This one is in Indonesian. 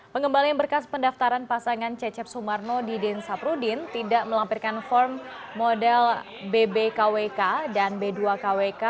pengembalian berkas pendaftaran pasangan cecep sumarno didin saprudin tidak melampirkan form model bbkwk dan b dua kwk